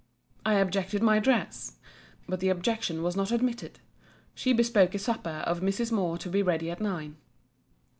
I objected my dress. But the objection was not admitted. She bespoke a supper of Mrs. Moore to be ready at nine.